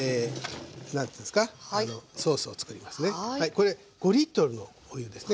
これ５のお湯ですね。